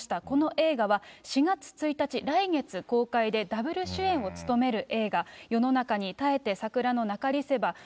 この映画は、４月１日、来月公開で、ダブル主演を務める映画、世の中にたえて桜のなかりせば。